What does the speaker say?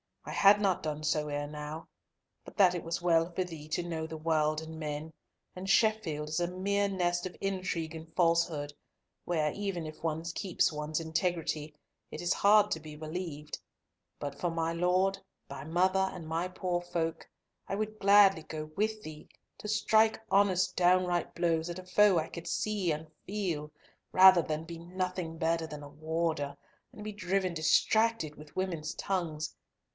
I had not done so ere now, but that it was well for thee to know the world and men, and Sheffield is a mere nest of intrigue and falsehood, where even if one keeps one's integrity, it is hard to be believed. But for my Lord, thy mother, and my poor folk, I would gladly go with thee to strike honest downright blows at a foe I could see and feel, rather than be nothing better than a warder, and be driven distracted with women's tongues.